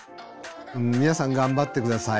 皆さん頑張って下さい。